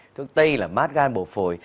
thuốc tây là mát gan bổ phổi